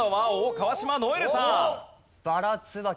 川島如恵留さん。